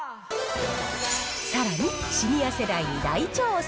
さらに、シニア世代に大調査！